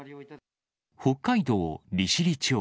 北海道利尻町。